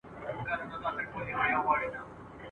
هغه ښار چي تا په خوب کي دی لیدلی !.